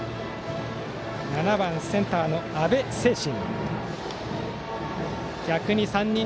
７番センターの安部政信。